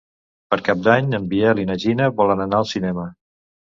Per Cap d'Any en Biel i na Gina volen anar al cinema.